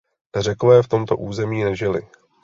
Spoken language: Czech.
Řekové v tomto území nežili.